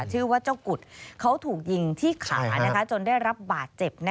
ชื่อว่าเจ้ากุฎเขาถูกยิงที่ขาจนได้รับบาดเจ็บ